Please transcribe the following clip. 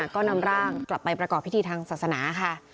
ก็นำร่างกลับไปประกอบพิธีทางศาสนาค่ะ